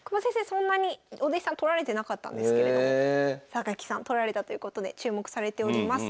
そんなにお弟子さん取られてなかったんですけれども榊さん取られたということで注目されております。